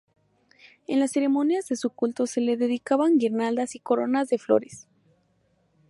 En las ceremonias de su culto se le dedicaban guirnaldas y coronas de flores.